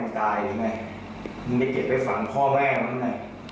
พ่อแม่มันตายหรือไม่มึงจะเก็บไว้ฝั่งพ่อแม่มันไง